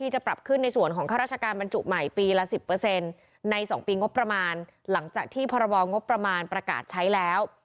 จากที่ภรรษาวางบางโมงงบประมาณประกาศใช้แล้ว